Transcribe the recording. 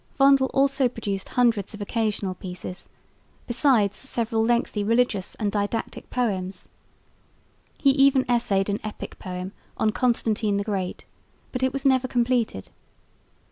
Vondel also produced hundreds of occasional pieces, besides several lengthy religious and didactic poems. He even essayed an epic poem on Constantine the Great, but it was never completed.